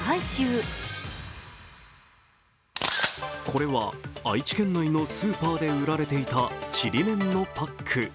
これは愛知県内のスーパーで売られていたちりめんのパック。